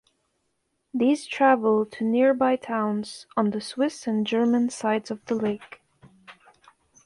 These travel to nearby towns on the Swiss and German sides of the lake.